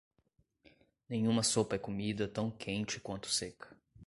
Nenhuma sopa é comida tão quente quanto seca.